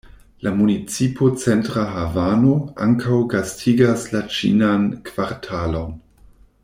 La municipo Centra havano ankaŭ gastigas la Ĉinan kvartalon.